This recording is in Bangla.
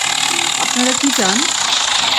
আপনারা কি চান?